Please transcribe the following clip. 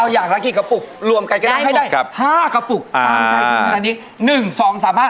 อย่าพูดอะไรต้องเยอะแย่งงไปหมด